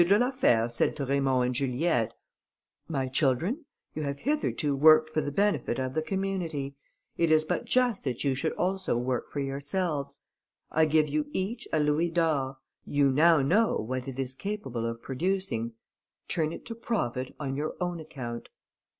de la Fère said to Raymond and Juliette, "My children, you have hitherto worked for the benefit of the community, it is but just that you should also work for yourselves; I give you each a louis d'or, you now know what it is capable of producing, turn it to profit on your own account."